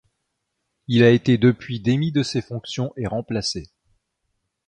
Il a été depuis démis de ses fonctions et remplacé.